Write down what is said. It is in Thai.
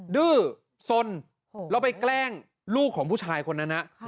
ดื้อสนแล้วไปแกล้งลูกของผู้ชายคนนั้น